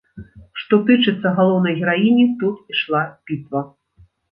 Што тычыцца галоўнай гераіні, тут ішла бітва.